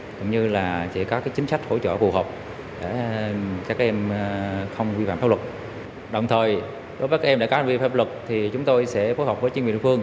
đồng thời nếu các em đã có vi phạm pháp luật thì chúng tôi sẽ phối hợp với chuyên viên địa phương